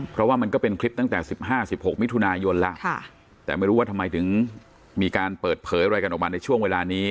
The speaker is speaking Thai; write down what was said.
เพราะว่ามันก็เป็นคลิปตั้งแต่๑๕๑๖มิถุนายนแล้วแต่ไม่รู้ว่าทำไมถึงมีการเปิดเผยอะไรกันออกมาในช่วงเวลานี้